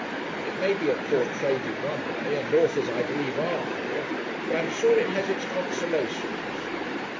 It may be a poor trade in one way; and authors, I believe, are poor; but I am sure it has its consolations.'